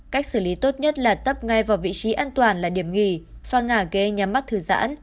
cách xử lý tốt nhất là tấp ngay vào vị trí an toàn là điểm nghỉ pha ngả ghế nhắm mắt thư giãn